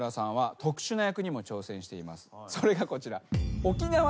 それがこちら。